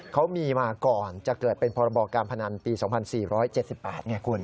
เขามีมาก่อนจะเกิดเป็นพรบการพนันปี๒๔๗๘ไงคุณ